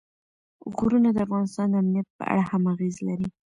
غرونه د افغانستان د امنیت په اړه هم اغېز لري.